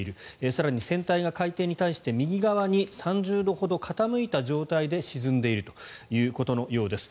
更に船体が海底に対して右側に３０度ほど傾いた状態で沈んでいるということのようです。